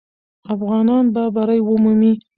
افغانان به بری ومومي.